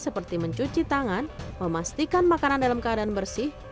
seperti mencuci tangan memastikan makanan dalam keadaan bersih